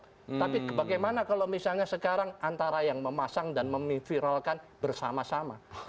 tapi bagaimana kalau misalnya sekarang antara yang memasang dan memviralkan bersama sama